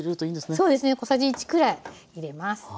そうですね小さじ１くらい入れます。